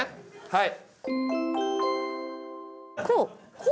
はい。